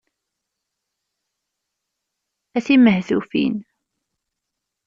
A timehtufin!